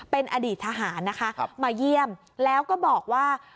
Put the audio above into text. เป็นอดีตทหารนะคะมาเยี่ยมแล้วก็บอกว่า